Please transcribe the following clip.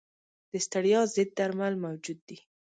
د ستړیا ضد درمل موجود دي.